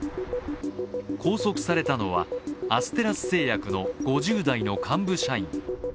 拘束されたのはアステラス製薬の５０代の幹部社員。